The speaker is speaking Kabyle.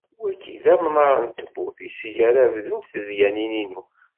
Wagi d amnaṛ n tewwurt i seg ara bdunt tedyanin inu.